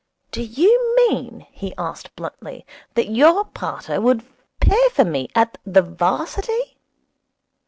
'Do you mean,' he asked bluntly, 'that your pater would pay for me at the 'Varsity?